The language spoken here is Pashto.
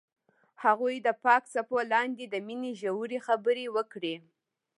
هغوی د پاک څپو لاندې د مینې ژورې خبرې وکړې.